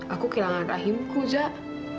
aku kehilangan rahimku zak